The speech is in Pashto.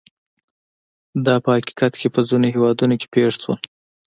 دا په حقیقت کې په ځینو هېوادونو کې پېښ شول.